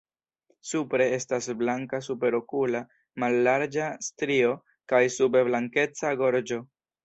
Supre estas blanka superokula mallarĝa strio kaj sube blankeca gorĝo.